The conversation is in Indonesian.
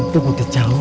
untuk gue di jauh